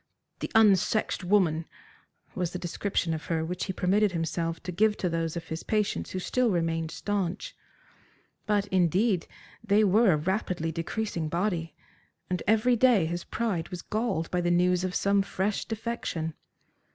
"The unsexed woman," was the description of her which he permitted himself to give to those of his patients who still remained staunch. But, indeed, they were a rapidly decreasing body, and every day his pride was galled by the news of some fresh defection.